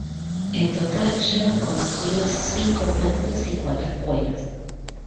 En total llevan construidos cinco puentes y cuatro escuelas.